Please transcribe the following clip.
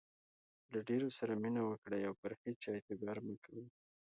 له ډېرو سره مینه وکړئ، او پر هيچا اعتبار مه کوئ!